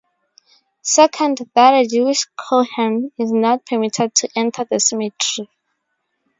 Second, that a Jewish kohen is not permitted to enter a cemetery.